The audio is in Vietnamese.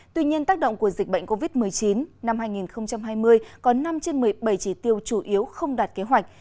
tuy nhiên tác động của dịch bệnh covid một mươi chín năm hai nghìn hai mươi có năm trên một mươi bảy chỉ tiêu chủ yếu không đạt kế hoạch